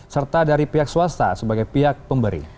serta dari pihak swasta sebagai pihak pemberi